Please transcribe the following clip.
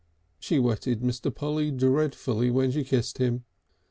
She wetted Mr. Polly dreadfully when she kissed him.